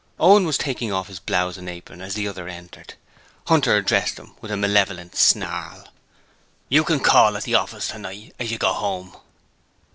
Owen was taking off his blouse and apron as the other entered. Hunter addressed him with a malevolent snarl: 'You can call at the office tonight as you go home.'